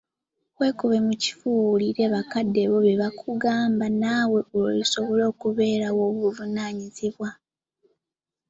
Weekube mu kifuba owulire bakadde bo bye bakugamba naawe lw'olisobola okubeera ow'obuvunaanyizibwa.